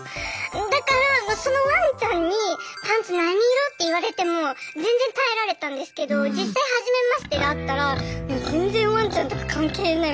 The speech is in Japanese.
だからそのワンちゃんに「パンツ何色？」って言われても全然耐えられたんですけど実際はじめましてで会ったらもう全然ワンちゃんとか関係ない